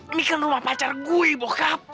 ini kan rumah pacar gue kap